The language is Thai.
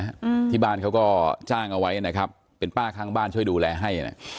อืมที่บ้านเขาก็จ้างเอาไว้นะครับเป็นป้าข้างบ้านช่วยดูแลให้นะ